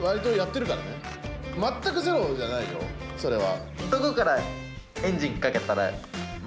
それは。